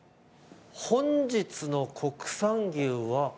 「本日の国産牛は」